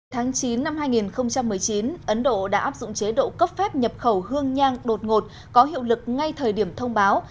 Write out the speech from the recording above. tháng chín năm hai nghìn một mươi chín ấn độ đã áp dụng chế độ cấp phép nhập khẩu hương nhang đột ngột có hiệu lực ngay thời điểm thông báo